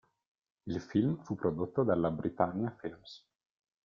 Il film fu prodotto dalla Britannia Films.